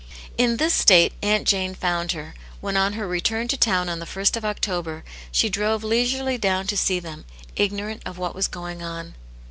In this state Aunt Jane found her, when on her return to town on the ist of October, she drove leisurely down to see them, ignorant of what was going on.